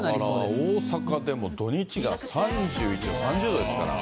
だから大阪でも土日が３１度、３０度ですから。